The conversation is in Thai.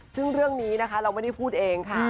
ซึ่งเรื่องนี้นะคะเราไม่ได้พูดเองค่ะ